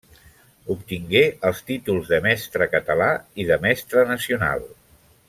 Obtingué els títols de Mestre Català i de Mestre Nacional.